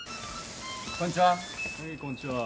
こんにちは。